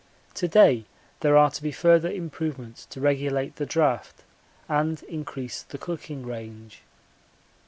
To day there are to be further improvements to regulate the draught and increase the cooking range.